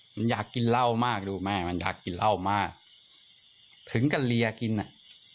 มันอยากกินเหล้ามากดูแม่มันอยากกินเหล้ามากถึงกับเลียกินอ่ะ